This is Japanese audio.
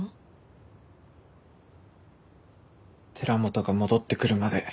寺本が戻ってくるまで。